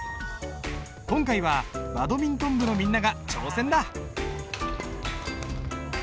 今回はバドミントン部のみんなが挑戦だ。